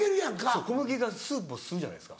そう小麦がスープを吸うじゃないですか。